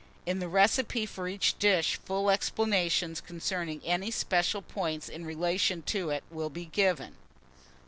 In the recipe for each dish, full explanations concerning any special points in relation to it will be given.